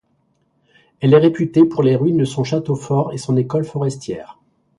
Elle est réputée pour les ruines de son château fort et son école forestière.